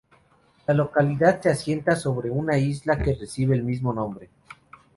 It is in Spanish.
La localidad se asienta sobre una isla que recibe el mismo nombre.